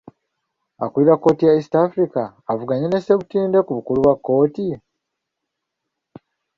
Akulira kkooti ya East Africa avuganye ne Ssebutinde ku bukulu bwa kkooti ?